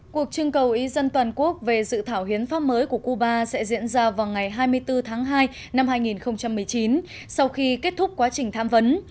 cuộc trưng cầu ý dân toàn quốc về dự thảo hiến pháp mới của cuba sẽ diễn ra vào ngày hai mươi bốn tháng hai năm hai nghìn một mươi chín sau khi kết thúc quá trình tham vấn